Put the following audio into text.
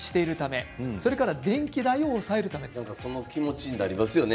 その気持ちになりますよね。